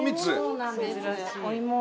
そうなんですお芋。